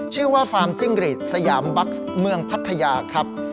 ฟาร์มจิ้งรีดสยามบัสเมืองพัทยาครับ